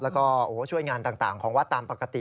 แล้วก็ช่วยงานต่างของวัดตามปกติ